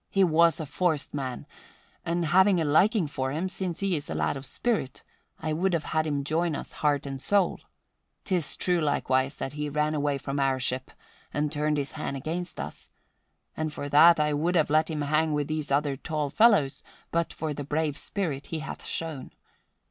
He was a forced man, and having a liking for him, since he is a lad of spirit, I would have had him join us heart and soul. 'Tis true likewise that he ran away from our ship and turned his hand against us, and for that I would have let him hang with these other tall fellows but for the brave spirit he hath shown.